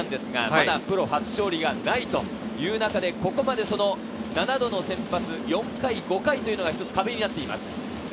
まだプロ初勝利がないという中で、ここまで７度の先発、４回５回というのがカギになっています。